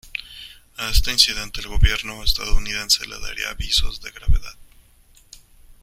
A este incidente el gobierno estadounidense le daría visos de "gravedad".